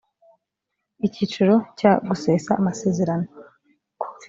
icyiciro cya gusesa amasezerano